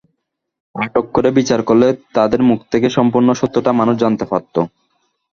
আটক করে বিচার করলে তাদের মুখ থেকে সম্পূর্ণ সত্যটা মানুষ জানতে পারত।